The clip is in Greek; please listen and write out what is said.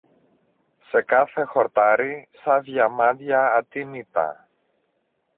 σε κάθε χορτάρι, σα διαμάντια ατίμητα.